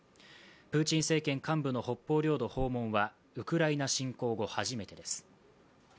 プーチン政権幹部の北方領土訪問はウクライナ侵攻後初めてです。